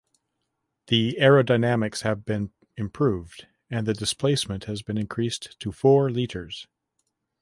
The aerodynamics have been improved and the displacement has been increased to four liters.